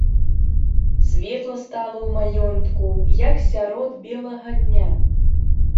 Светла стала ў маёнтку, як сярод белага дня.